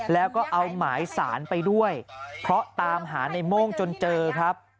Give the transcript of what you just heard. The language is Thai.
แล้วก็เอาหมายสารไปด้วยเพราะตามหาในโม่งจนเจอครับ